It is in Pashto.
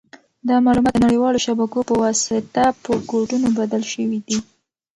دا معلومات د نړیوالو شبکو په واسطه په کوډونو بدل شوي دي.